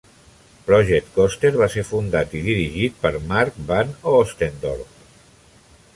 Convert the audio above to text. Project Coster va ser fundat i dirigit per Marc van Oostendorp.